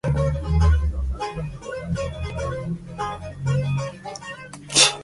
A veces, portaba cetro uas y anj.